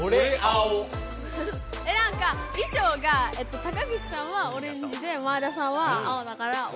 えなんかいしょうが高岸さんはオレンジで前田さんは青だからオレアオ。